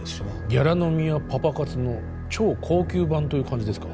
ギャラ飲みやパパ活の超高級版という感じですか